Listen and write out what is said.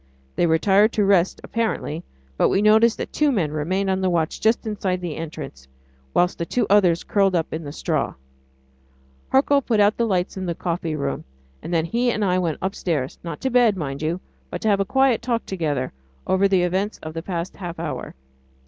They retired to rest apparently, but we noticed that two men remained on the watch just inside the entrance, whilst the two others curled up in the straw. Hercule put out the lights in the coffee room, and then he and I went upstairs not to bed, mind you but to have a quiet talk together over the events of the past half hour.